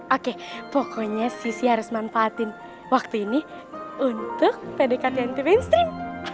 oke pokoknya sisi harus manfaatin waktu ini untuk pdk tnt mainstream